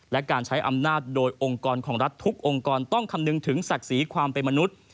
และการใช้อำนาจโดยองค์กรของรัฐทุกองค์กรต้องคำนึงถึงศักดิ์ศรีความเป็นมนุษย์